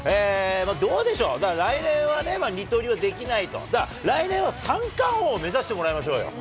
どうでしょう、来年はね、二刀流はできない、来年は三冠王を目指してもらいましょうよ。